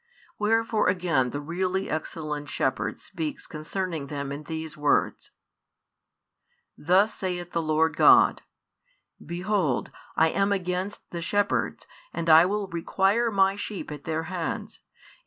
Wherefore again the really excellent Shepherd speaks concerning them in these words: Thus saith the Lord God: Behold, I am against the shepherds, and I will require My sheep at their hands, and.